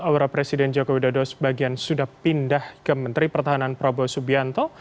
aura presiden joko widodo sebagian sudah pindah ke menteri pertahanan prabowo subianto